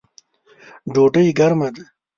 ډوډۍ ګرمه ده